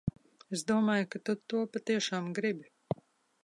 Es domāju, ka tu to patiešām gribi.